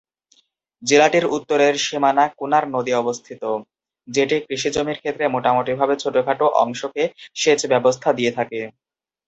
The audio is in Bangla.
জেলাটির উত্তরের সীমানা কুনার নদী অবস্থিত, যেটি কৃষি জমির ক্ষেত্রে মোটামুটিভাবে ছোটখাটো অংশকে সেচ ব্যবস্থা দিয়ে থাকে।